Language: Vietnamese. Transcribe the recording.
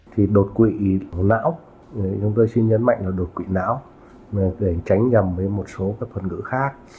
thì đột quỵ não chúng tôi xin nhấn mạnh là đột quỵ não để tránh nhầm với một số các thuật ngữ khác